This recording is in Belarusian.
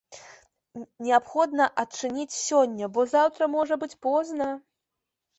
Неабходна адчыніць сёння, бо заўтра можа быць позна!